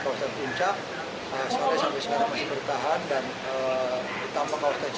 kawasan puncak sampai sampai sekarang masih bertahan dan tanpa kau tersebut